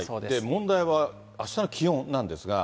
問題はあしたの気温なんですが。